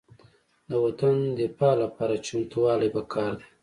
د وطن دفاع لپاره چمتووالی پکار دی.